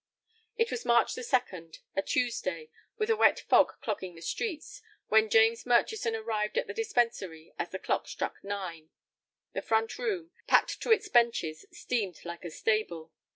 It was March 2d, a Tuesday, with a wet fog clogging the streets, when James Murchison arrived at the dispensary as the clock struck nine. The front room, packed as to its benches, steamed like a stable.